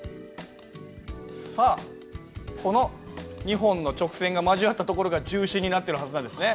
さあこの２本の直線が交わった所が重心になってるはずなんですね。